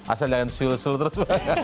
asal jangan swiel sul terus